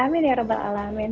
amin ya rabbal alamin